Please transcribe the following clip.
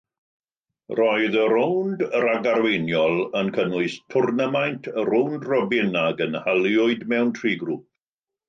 Roedd y rownd ragarweiniol yn cynnwys twrnamaint rownd-robin a gynhaliwyd mewn tri grŵp.